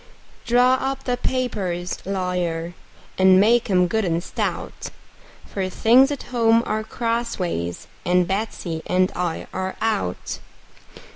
Draw up the papers, lawyer, and make 'em good and stout; For things at home are crossways, and Betsey and I are out.